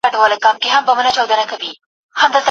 د لنډ مهاله شهرت لټه يې نه کوله.